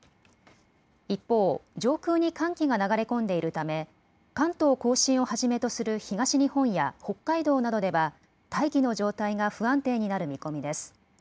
一方、上空に寒気が流れ込んでいるため関東甲信をはじめとする東日本や北海道などでは大気の状態が不安定になる見込みです。